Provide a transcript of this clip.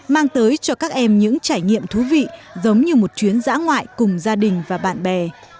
mang tới cho các em những trải nghiệm thú vị giống như một chuyến giã ngoại cùng gia đình và bạn bè